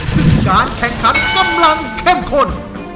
ซึ่งการแข่งขันกำลังเข้มข้น